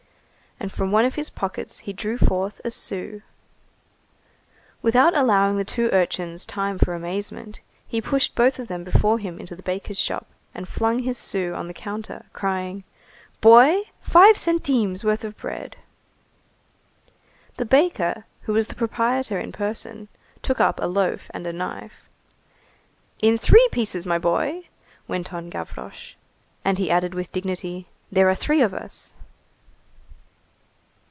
And from one of his pockets he drew forth a sou. Without allowing the two urchins time for amazement, he pushed both of them before him into the baker's shop, and flung his sou on the counter, crying:— "Boy! five centimes' worth of bread." The baker, who was the proprietor in person, took up a loaf and a knife. "In three pieces, my boy!" went on Gavroche. And he added with dignity:— "There are three of us."